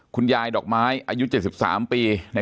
คุณยายดอกไม้อายุ๗๓ปี